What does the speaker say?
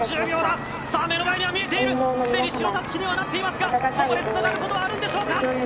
目の前には見えているすでに白たすきにはなっているがここでつながることはあるんでしょうか。